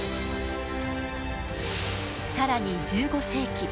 更に１５世紀